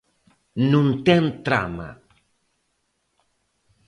Non ten trama.